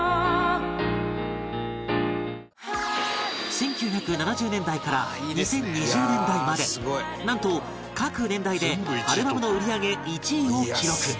１９７０年代から２０２０年代までなんと各年代でアルバムの売り上げ１位を記録